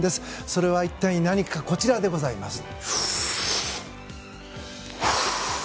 それは一体何かこちらでございます。